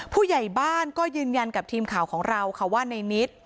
ผู้ใหญ่บ้านก็ยืนยันกับทีมข่าวของเราค่ะว่าในนิด